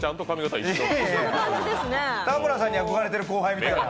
田村さんに憧れてる後輩みたいな。